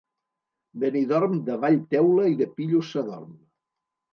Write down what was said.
Benidorm davall teula i de pillos s'adorm.